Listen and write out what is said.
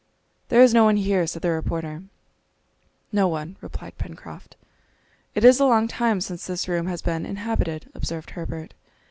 "There is no one here," said the reporter. "No one," replied Pencroft. "It is a long time since this room has been inhabited," observed Herbert.